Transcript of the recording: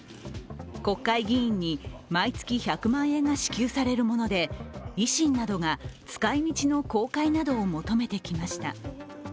国会議員に毎月１００万円が支給されるもので維新などが使い道の公開などを求めてきました。